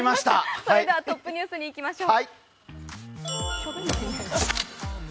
それではトップニュースにいきましょう。